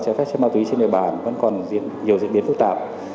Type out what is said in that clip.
chai phép chai ma túy trên địa bàn vẫn còn nhiều diễn biến phức tạp